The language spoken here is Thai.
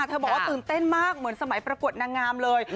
บอกว่าตื่นเต้นมากเหมือนสมัยประกวดนางงามเลย